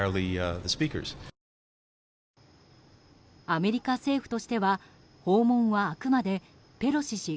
アメリカ政府としては訪問は、あくまでペロシ氏